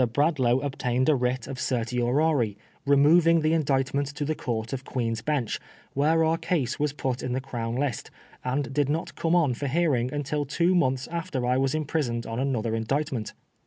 Bradlaugh obtained a writ of certiorari removing the indictment MB. BRADLAUGH INCLUDED. 37 to the Court of Queen's Bench, where our case was put in the Crown List, and did not come on for hearing until two months after I was imprisoned on another indictment.